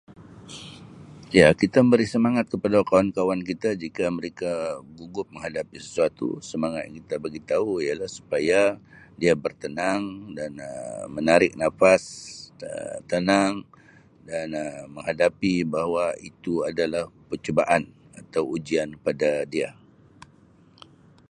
Ya kita memberi semangat kepada kawan-kawan kita jika mereka gugup menghadapi sesuatu semangat yang kita bagitau ialah supaya dia bertenang dan Um menarik nafas Um tenang dan Um menghadapi bahawa itu adalah percubaan atau ujian pada dia.